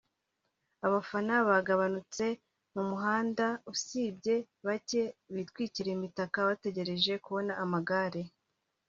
abafana bagabanutse ku muhanda usibye bake bitwikiriye imitaka bategereje kubona amagare